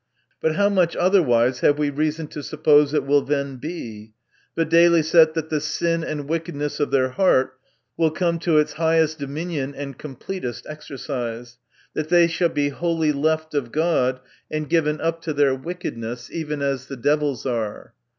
But how much otherwise, have we reason to suppose, it will then be 1 viz., that the sin and wickedness of their heart will come to its highest dominion and completest exercise ; that they shall be wholly left ot God, and given up to their wickedness, even as the devils are